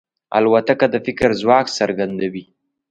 الوتکه د فکر ځواک څرګندوي.